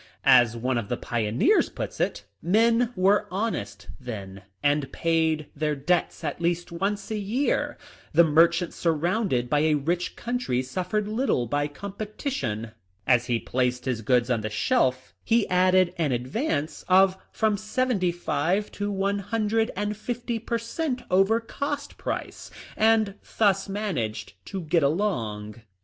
As one of the pioneers puts it, " Men were honest then, and paid their debts at least once a year. The merchant surrounded by a rich country suffered lit tle from competition. As he placed his goods on the shelf he added an advance of from seventy five to one hundred and fifty per cent over cost price, and thus managed to get along."